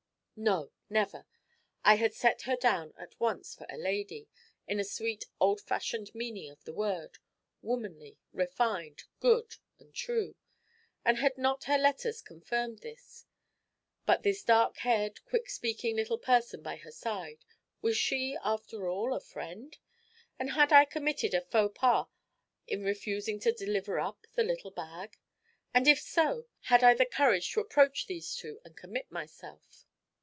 No, never! I had set her down at once for a lady, in the sweet old fashioned meaning of the word womanly, refined, good and true; and had not her letters confirmed this? But this dark haired, quick speaking little person by her side was she, after all, a friend? And had I committed a faux pas in refusing to deliver up the little bag? And if so, had I the courage to approach these two and commit myself?